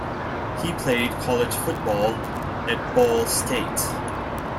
He played college football at Ball State.